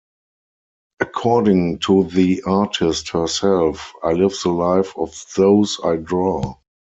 According to the artist herself, I live the life of those I draw.